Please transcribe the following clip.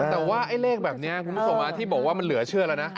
แต่ว่าไอ้เลขแบบนี้คุณผู้ชมที่บอกว่ามันเหลือเชื่อแล้วนะ